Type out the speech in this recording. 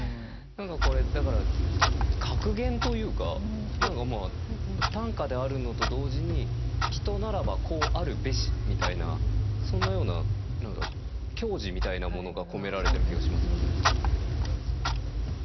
何かこれだから格言というか短歌であるのと同時に人ならばこうあるべしみたいなそんなような何か教示みたいなものが込められてる気がしますよね。